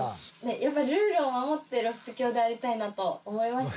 やっぱルールを守って露出狂でありたいなと思いまして。